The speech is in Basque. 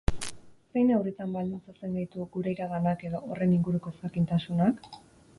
Zein neurritan baldintzatzen gaitu gure iraganak edo horren inguruko ezjakintasunak?